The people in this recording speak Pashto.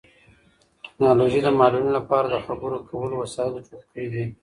ټیکنالوژي د معلولینو لپاره د خبرو کولو وسایل جوړ کړي دي.